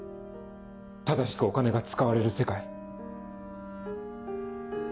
正しくお金が使われる世界。